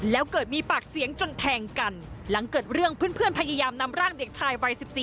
แล้วเกิดมีปากเสียงจนแทงกันหลังเกิดเรื่องเพื่อนพยายามนำร่างเด็กชายวัย๑๔